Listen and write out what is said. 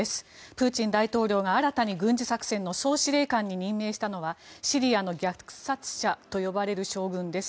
プーチン大統領が新たに軍事作戦の総司令官に任命したのはシリアの虐殺者と呼ばれる将軍です。